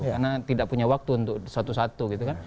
karena tidak punya waktu untuk satu satu gitu kan